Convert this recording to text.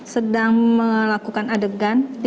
sedang melakukan adegan